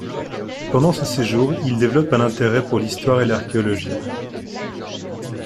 Pendant ce séjour, il développe un intérêt pour l’histoire et l’archéologie.